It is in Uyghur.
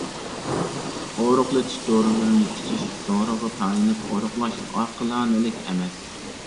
ئورۇقلىتىش دورىلىرىنى ئىچىش، دورىغا تايىنىپ ئورۇقلاش ئاقىلانىلىك ئەمەس.